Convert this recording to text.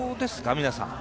皆さん。